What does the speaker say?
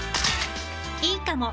いいかも！